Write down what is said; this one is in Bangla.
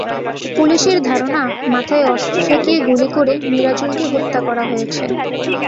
পুলিশের ধারণা, মাথায় অস্ত্র ঠেকিয়ে গুলি করে মিরাজুলকে হত্যা করা হয়েছে।